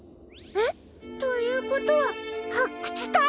えっ？ということははっくつたい？